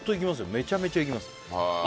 めちゃめちゃ生きます。